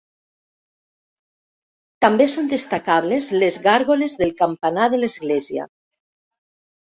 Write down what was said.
També són destacables les gàrgoles del campanar de l'església.